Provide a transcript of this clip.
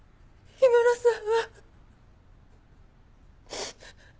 氷室さん